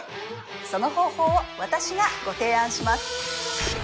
その方法を私がご提案します